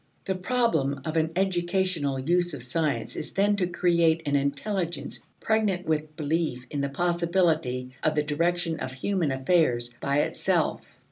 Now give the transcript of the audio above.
The problem of an educational use of science is then to create an intelligence pregnant with belief in the possibility of the direction of human affairs by itself.